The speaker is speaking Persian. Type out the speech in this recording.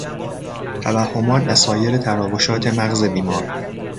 توهمات و سایر تراوشات مغز بیمار